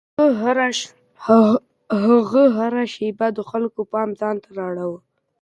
هغه هره شېبه د خلکو پام ځان ته اړاوه.